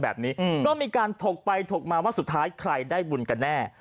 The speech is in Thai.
แบบนี้ก็มีการถกไปถกมาว่าสุดท้ายใครได้บุญกันแน่